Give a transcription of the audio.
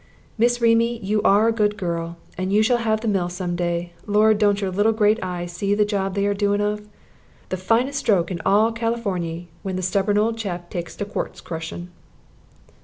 "Miss Remy, you are a good girl, and you shall have the mill some day. Lord, don't your little great eyes see the job they are a doin' of? The finest stroke in all Californy, when the stubborn old chap takes to quartz crushing."